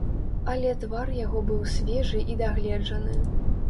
Але твар яго быў свежы і дагледжаны.